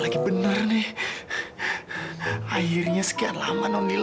aku sudah takut sama gustaf